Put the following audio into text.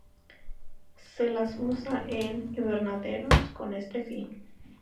Se las usa en invernaderos con este fin.